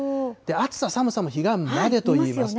暑さ寒さも彼岸までといいます。